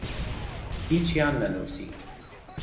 هیچیان نەنووسی.